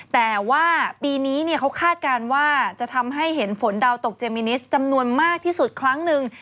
แต่ว่าปีนี้เขาคาดการณ์ว่าจะทำให้เห็นฝนดาวตกเจมินิสจำนวนมากที่สุดครั้งหนึ่ง